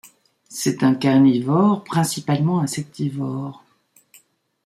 C'est un carnivore, principalement insectivore.